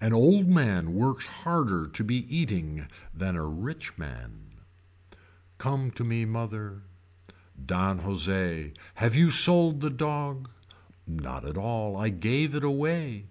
An old man works harder to be eating than a rich one. Come to me mother. Don Jose. Have you sold the dog. Not at all I gave it away.